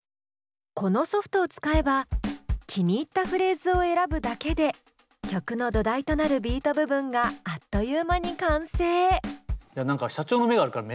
このソフトを使えば気に入ったフレーズを選ぶだけで曲の土台となるビート部分があっという間に完成。